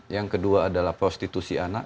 yang kedua adalah prostitusi anak